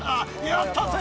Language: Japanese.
やったぜ！